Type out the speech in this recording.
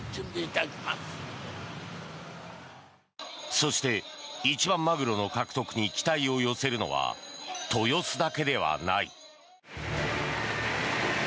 そして、一番マグロの獲得に期待を寄せるのは豊洲だけではない。